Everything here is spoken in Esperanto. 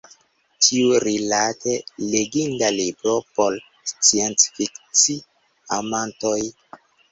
Ĉiurilate: leginda libro, por sciencfikci-amantoj.